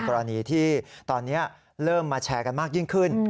กรณีที่ตอนนี้เริ่มมาแชร์กันมากยิ่งขึ้น